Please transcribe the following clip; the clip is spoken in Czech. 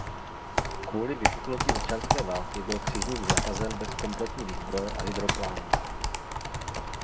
Kvůli vypuknutí občanské války byl křižník zařazen bez kompletní výzbroje a hydroplánů.